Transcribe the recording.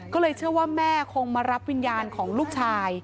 ก็เลยเชื่อว่าแม่คงมารับวิญญาณของลูกชาย